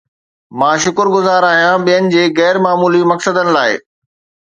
مان شڪرگذار آهيان ٻين جي غير معمولي مقصدن لاء